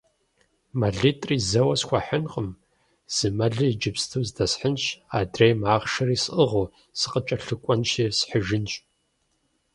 МэлитӀри зэуэ схуэхьынкъым, зы мэлыр иджыпсту здэсхьынщ, адрейм, ахъшэри сӀыгъыу, сыкъыкӀэлъыкӀуэнщи схьыжынщ.